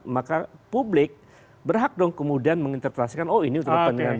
maka publik berhak dong kemudian mengintertasikan oh ini untuk kepentingan dua ribu dua puluh empat